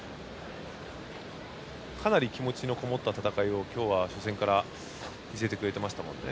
かなり気持ちのこもった戦いを初戦から見せてくれていましたね。